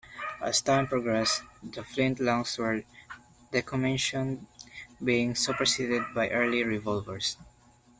As time progressed, the flintlocks were decommissioned, being superseded by early revolvers.